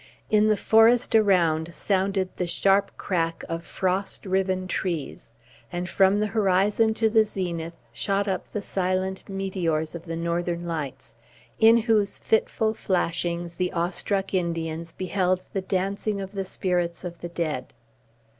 In the forest around sounded the sharp crack of frost riven trees; and from the horizon to the zenith shot up the silent meteors of the northern lights, in whose fitful flashings the awe struck Indians beheld the dancing of the spirits of the dead.